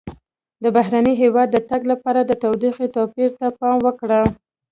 د بهرني هېواد د تګ لپاره د تودوخې توپیر ته پام وکړه.